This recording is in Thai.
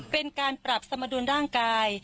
เป็นการปรับสมดุลร่างกาย